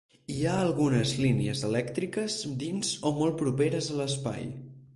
Hi ha algunes línies elèctriques dins o molt properes a l’espai.